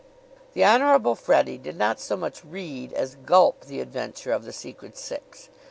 The Honorable Freddie did not so much read as gulp the adventure of the Secret Six.